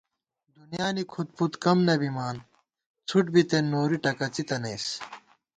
دُنیا نی کھُد پُد کم نہ بِمان ، څھُٹ بِتېن نوری ٹَکَڅِی تنَئیس